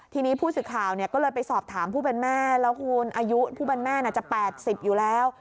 ทีนี้ผู้สื่อข่าวก็เลยไปสอบถามผู้เป็นแม่แล้วคุณอายุผู้เป็นแม่จะ๘๐อยู่แล้ว